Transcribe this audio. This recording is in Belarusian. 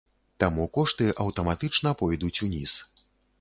Таму кошты аўтаматычна пойдуць уніз.